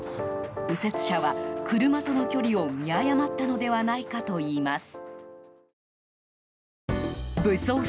右折車は、車との距離を見誤ったのではないかといいます。